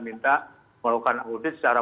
minta melakukan audit secara